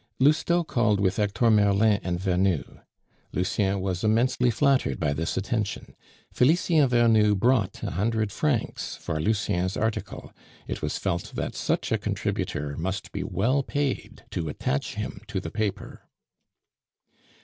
Lousteau called with Hector Merlin and Vernou. Lucien was immensely flattered by this attention. Felicien Vernou brought a hundred francs for Lucien's article; it was felt that such a contributor must be well paid to attach him to the paper.